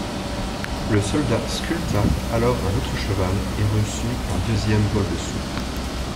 Le soldat sculpta alors un autre cheval, et reçut un deuxième bol de soupe.